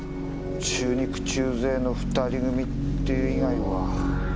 中肉中背の２人組っていう以外は。